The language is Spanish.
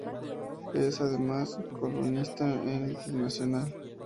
Es además, columnista de El Nacional.